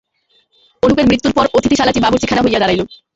অনুপের মৃত্যূর পর অতিথিশালাটি বাবুর্চিখানা হইয়া দাঁড়াইল।